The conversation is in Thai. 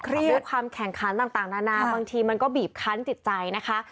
ด้วยความแข่งขันต่างนานาบางทีมันก็บีบคันจิตใจนะคะ